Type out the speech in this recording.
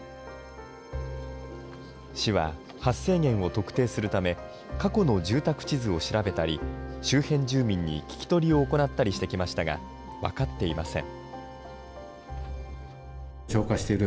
市は発生源を特定するため、過去の住宅地図を調べたり、周辺住民に聞き取りを行ったりしてきましたが、分かっていません。